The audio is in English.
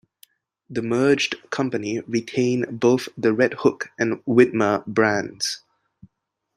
The merged company retained both the Redhook and Widmer brands.